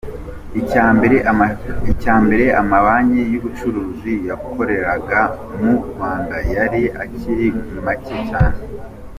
Icya mbere, amabanki y’ubucuruzi yakoreraga mu Rwanda yari akiri make cyane.